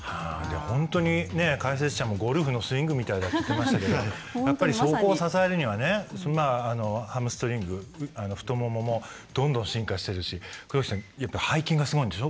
本当に解説者もゴルフのスイングみたいだって言ってましたけどやっぱりそこを支えるにはハムストリング太もももどんどん進化してるし黒木さんやっぱ背筋がすごいんでしょ？